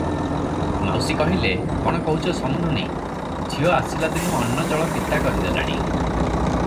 ମାଉସୀ କହିଲେ, "କଣ କହୁଛ ସମୁନ୍ଧୁଣୀ, ଝିଅ ଆସିଲା ଦିନୁ ଅନ୍ନ ଜଳ ପିତା କରିଦେଲାଣି ।